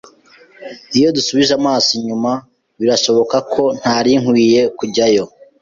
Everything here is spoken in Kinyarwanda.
Iyo dusubije amaso inyuma, birashoboka ko ntari nkwiye kujyayo.